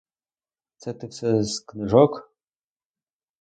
Це ти все з книжок?